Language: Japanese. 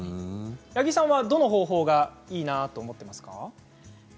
八木さんはどの方法がいいなと思っていますか？